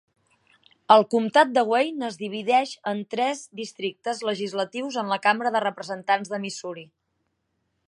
El comtat de Wayne es divideix en tres districtes legislatius en la Cambra de Representants de Missouri.